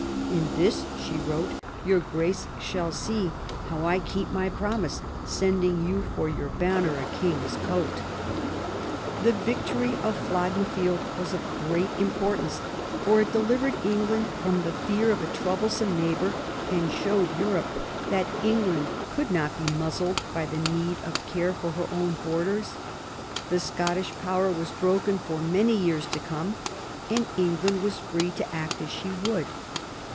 "In this," she wrote, " your Grace shall see how I keep my promise, sending you for your banner a king's coat." The victory of Flodden Field was of great importance, for it delivered England from the fear of a troublesome neighbour, and showed Europe that England could not be muzzled by the need of care for her own borders. The Scottish power was broken for many years to come, and England was free to act as she would.